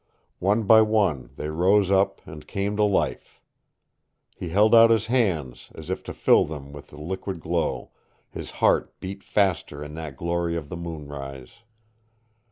One by one they rose up and came to life. He held out his hands, as if to fill them with the liquid glow; his heart beat faster in that glory of the moonrise.